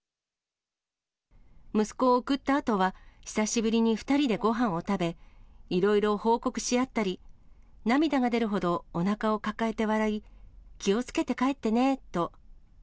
息子を送ったあとは、久しぶりに２人でごはんを食べ、いろいろ報告し合ったり、涙が出るほどおなかを抱えて笑い、気をつけて帰ってねーと。